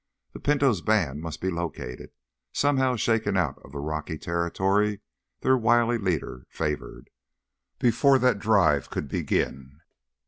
The Pinto's band must be located, somehow shaken out of the rocky territory their wily leader favored, before that drive could begin.